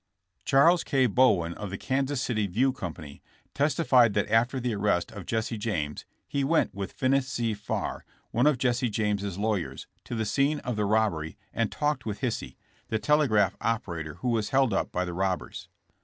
Charles K. Bowen of the Kansas City View Com pany, testified that after the arrest of Jesse James he went with Finis C. Farr, one of Jesse James' law yers, to the scene of the robbery and talked with Hisey, the telegraph operator who was held up by the robbers.